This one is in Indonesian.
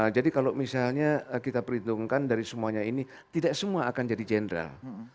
jadi kalau misalnya kita perhitungkan dari semuanya ini tidak semua akan jadi jenderal